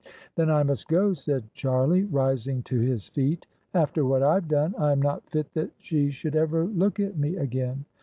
"Then I must go," said Charlie, rising to his feet. " After what IVe done I am not fit that she should ever look at me again.